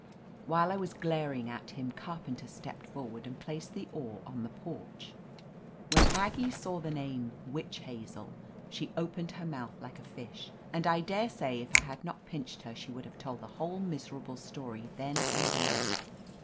While I was glaring 14t hini Carpenter stepped forward and placed the oar blade on the porch. When Aggie saw the name "Witch Hazel" she opened her mouth like a fish, and I daresay if I had not pinched her she would have told the whole miserable story then and tliere.